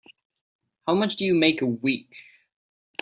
How much do you make a week?